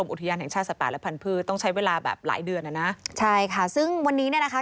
อุทยานแห่งชาติสัตว์ป่าและพันธุ์ต้องใช้เวลาแบบหลายเดือนอ่ะนะใช่ค่ะซึ่งวันนี้เนี่ยนะคะ